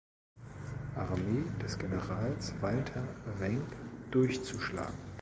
Armee des Generals Walther Wenck durchzuschlagen.